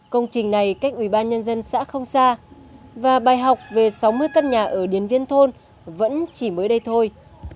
công trình này cách ubnd xã không xa và bài học về sáu mươi căn nhà ở điền viên thôn vẫn chỉ mới đây thôi